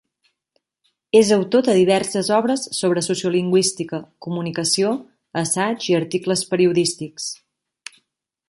És autor de diverses obres sobre sociolingüística, comunicació, assaigs i articles periodístics.